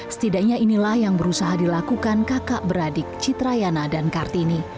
setidaknya inilah yang berusaha dilakukan kakak beradik citrayana dan kartini